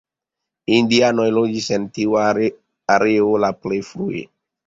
Indianoj loĝis en tiu areo la plej frue.